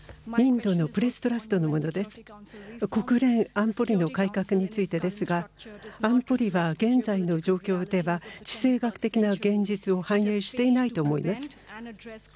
国連安保理の改革についてですが、安保理は現在の状況では、地政学的な現実を反映していないと思います。